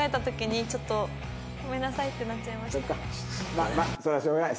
まあまあそれはしょうがない。